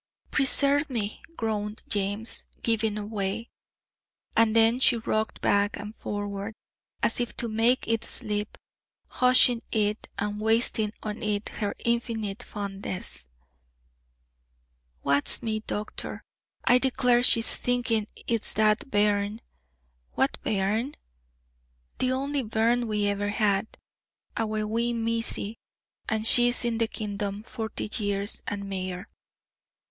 "Preserve me!" groaned James, giving away. And then she rocked back and forward, as if to make it sleep, hushing it, and wasting on it her infinite fondness. "Wae's me, doctor; I declare she's thinkin' it's that bairn." "What bairn?" "The only bairn we ever had; our wee Mysie, and she's in the Kingdom, forty years and mair."